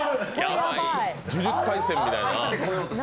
「呪術廻戦」みたいな。